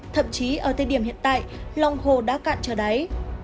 thậm chí ở thời điểm hiện tại lòng hồ đã cạn trở đáy